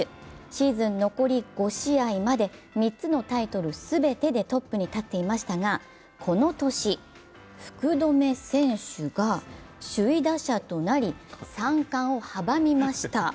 シーズン残り５試合まで３つのタイトル全てでトップに立っていましたがこの年福留選手が首位打者となり三冠を阻みました。